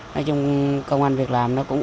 nói chung công an việc làm nó cũng ổn